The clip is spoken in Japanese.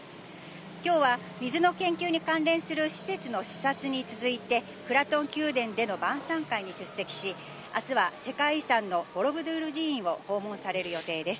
きょうは水の研究に関連する施設の視察に続いて、クラトン宮殿での晩さん会に出席し、あすは世界遺産のボロブドゥール寺院を訪問される予定です。